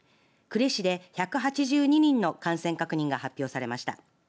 呉市で１８２人の感染確認が発表されました。